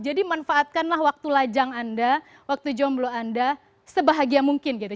jadi manfaatkanlah waktu lajang anda waktu jomblo anda sebahagia mungkin gitu